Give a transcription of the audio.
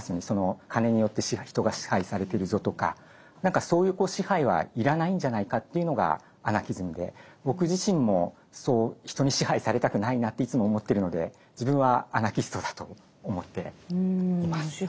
その金によって人が支配されてるぞとか何かそういう支配は要らないんじゃないかというのがアナキズムで僕自身もそう人に支配されたくないなっていつも思ってるので自分はアナキストだと思っています。